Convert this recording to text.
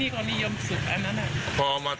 ที่คือเหมือนกันมาก